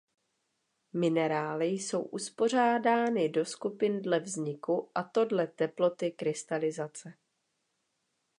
Minerály jsou uspořádány do skupin dle vzniku a to dle teploty krystalizace.